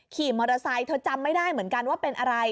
ขี่มอเตอร์ไซค์เธอจำไม่ได้เหมือนกันว่าเป็นอะไร